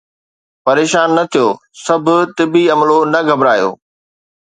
پريشان نه ٿيو، سڀ طبي عملو نه گھٻرايو